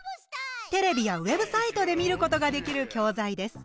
テレビやウェブサイトで見ることができる教材です。